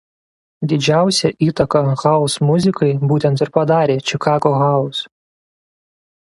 Didžiausią įtaką house muzikai būtent ir padarė Chicago house.